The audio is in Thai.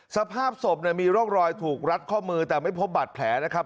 สภาพศพมีร่องรอยถูกรัดข้อมือแต่ไม่พบบาดแผลนะครับ